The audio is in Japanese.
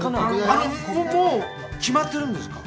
あのもう決まってるんですか？